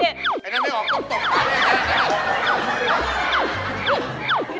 ไอ้หน้าได้ออกกุบตกไป